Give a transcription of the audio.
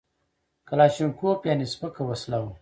کلاشینکوف یعنې سپکه وسله وه